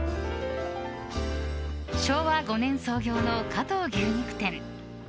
昭和５年創業の加藤牛肉店。